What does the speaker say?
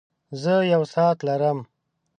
زۀ يو ساعت لرم.